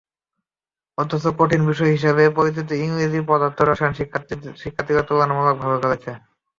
অথচ কঠিন বিষয় হিসেবে পরিচিত ইংরেজি, পদার্থ, রসায়নে শিক্ষার্থীরা তুলনামূলক ভালো করেছে।